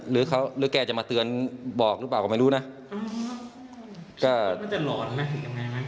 หรือแกจะมาเตือนบอกหรือเปล่าก็ไม่รู้นะอ้าวคิดว่ามันจะหล่อนไหมยังไง